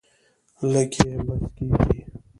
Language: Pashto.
لږ یې بس کیږي.